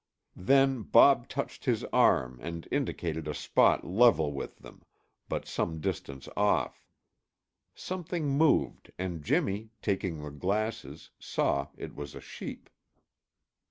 Then Bob touched his arm and indicated a spot level with them, but some distance off. Something moved and Jimmy, taking the glasses, saw it was a sheep.